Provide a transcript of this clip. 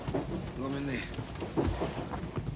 ごめんね。